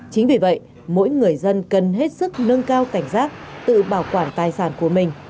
chính vì vậy mỗi người dân cần hết sức nâng cao cảnh giác tự bảo quản tài sản của mình